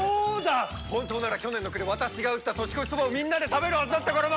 本当なら去年の暮れ私が打った年越しそばをみんなで食べるはずだったからな。